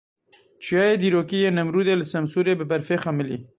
Çiyayê dîrokî yê Nemrûdê li Semsûrê bi berfê xemilî.